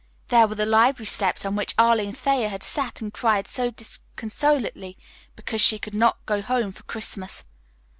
There were the library steps on which Arline Thayer had sat and cried so disconsolately because she could not go home for Christmas.